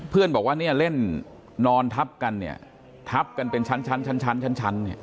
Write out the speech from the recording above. เพื่อนบอกว่าเนี้ยเล่นนอนทับกันเนี้ยทับกันเป็นชั้นชั้นชั้นชั้นชั้น